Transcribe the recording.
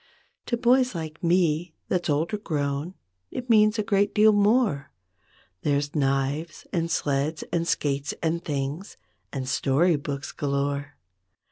To boys like me, that's older grown It means a great deal more. There's knives and sleds and skates and things And story books galore.